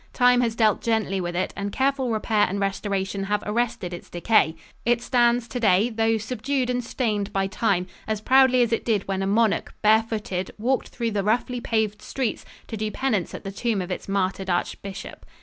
Time has dealt gently with it and careful repair and restoration have arrested its decay. It stands today, though subdued and stained by time, as proudly as it did when a monarch, bare footed, walked through the roughly paved streets to do penance at the tomb of its martyred archbishop.